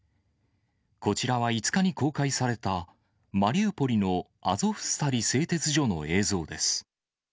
こちらは５日に公開された、マリウポリのアゾフスタリ製鉄所の映像です。